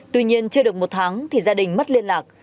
tuy nhiên chưa được một tháng thì gia đình mất liên lạc